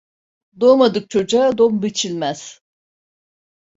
Doğmadık çocuğa don biçilmez.